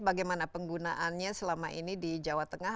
bagaimana penggunaannya selama ini di jawa tengah